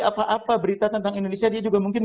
apa apa berita tentang indonesia dia juga mungkin